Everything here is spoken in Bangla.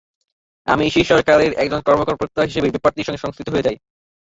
আমি সেই সরকারের একজন কর্মকর্তা হিসেবে ব্যাপারটির সঙ্গে সংশ্লিষ্ট হয়ে যাই।